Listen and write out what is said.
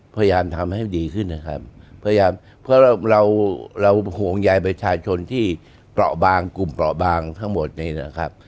พยายามทำให้ดีขึ้นนะครับพยายามเพราะเราเราห่วงใยประชาชนที่เปราะบางกลุ่มเปราะบางทั้งหมดนี้นะครับ